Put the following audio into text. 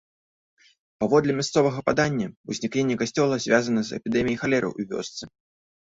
Паводле мясцовага падання, узнікненне касцёла звязана з эпідэміяй халеры ў вёсцы.